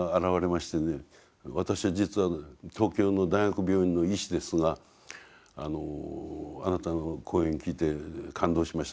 「私は実は東京の大学病院の医師ですがあなたの講演聞いて感動しました」と。